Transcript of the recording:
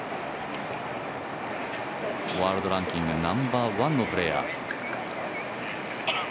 ワールドランキング、ナンバーワンのプレーヤー。